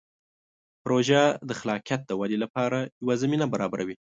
پروژه د خلاقیت د ودې لپاره یوه زمینه برابروي.